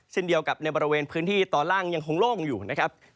เช่นเดียวกับในบริเวณพื้นที่ตอนล่างยังคงโล่งอยู่นะครับ